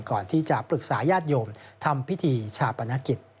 ก่อนที่จะปรึกษาญาติโยมทำพิธีชาปนกิจ